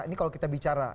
ini kalau kita bicara